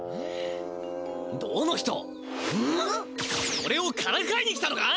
おれをからかいに来たのか？